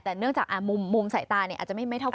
แต่เนื่องจากมุมสายตาอาจจะไม่เท่ากัน